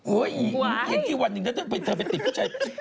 เฮ่ยอย่างนี้กี่วันหนึ่งก็จะไปติดใจ